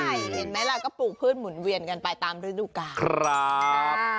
เห็นไหมล่ะก็ปลูกพืชหมุนเวียนกันไปตามฤดูกาลครับ